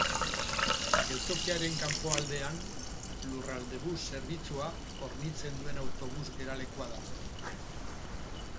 Geltokiaren kanpoaldean Lurraldebus zerbitzua hornitzen duen autobus geralekua dago.